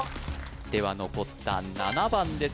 では残った７番です